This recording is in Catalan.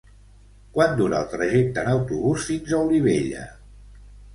Quant dura el trajecte en autobús fins a Olivella?